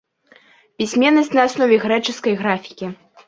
Пісьменнасць на аснове грэчаскай графікі.